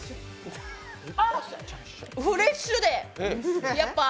あっ、フレッシュで。